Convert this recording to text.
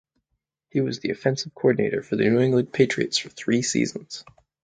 He was the offensive coordinator for the New England Patriots for three seasons.